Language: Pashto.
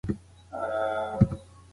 خدیجه لا هم په خپل تېر وخت پسې ډېره خفه وه.